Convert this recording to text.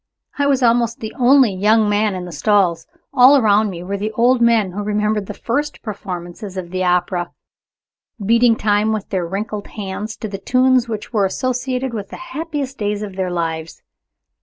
I was almost the only young man in the stalls. All round me were the old men who remembered the first performances of the opera, beating time with their wrinkled hands to the tunes which were associated with the happiest days of their lives.